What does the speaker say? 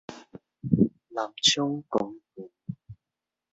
南昌公園